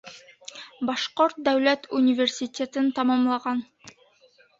Башҡорт дәүләт университетын тамамлаған.